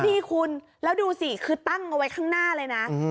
นี่คุณแล้วดูสิคือตั้งเอาไว้ข้างหน้าเลยนะ